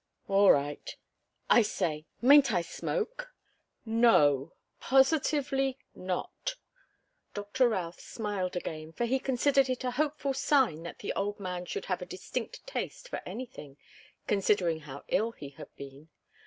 "All right. I say mayn't I smoke?" "No. Positively not." Doctor Routh smiled again; for he considered it a hopeful sign that the old man should have a distinct taste for anything, considering how ill he had been.